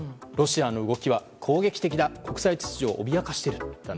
ロシアの動きは攻撃的だ国際秩序を脅かしていると。